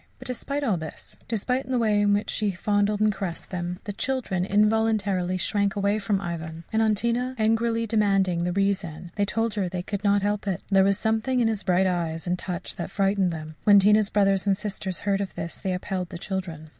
But despite all this, despite the way in which he fondled and caressed them, the children involuntarily shrank away from Ivan; and on Tina angrily demanding the reason, they told her they could not help it there was something in his bright eyes and touch that frightened them. When Tina's brothers and sisters heard of this, they upheld the children.